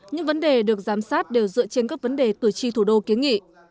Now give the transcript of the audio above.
những vấn đề được giám sát đều dựa trên các vấn đề cử tri thủ đô kiến nghị